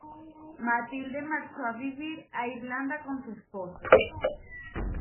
Matilde marchó a vivir a Irlanda con su esposo.